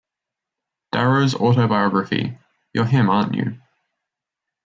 Darrow's autobiography, You're Him, Aren't You?